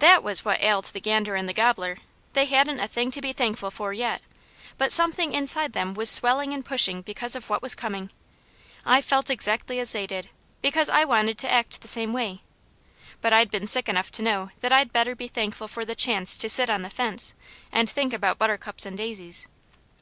THAT was what ailed the gander and the gobbler. They hadn't a thing to be thankful for yet, but something inside them was swelling and pushing because of what was coming. I felt exactly as they did, because I wanted to act the same way, but I'd been sick enough to know that I'd better be thankful for the chance to sit on the fence, and think about buttercups and daisies.